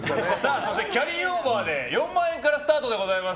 そしてキャリーオーバーで４万円からスタートでございます。